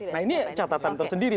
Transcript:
nah ini catatan tersendiri